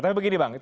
tapi begini bang